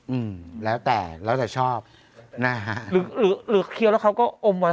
อืมแล้วแต่แล้วแต่ชอบนะฮะหรือหรือเคี้ยวแล้วเขาก็อมไว้